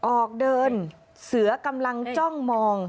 ออกเดินเสือกำลังจ้องมอง